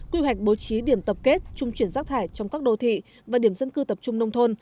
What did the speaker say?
quy hoạch bố trí điểm tập kết trung chuyển rác thải trong các đô thị và điểm dân cư tập trung nông thôn